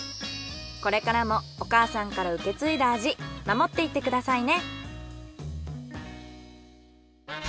これからもお母さんから受け継いだ味守っていってくださいね。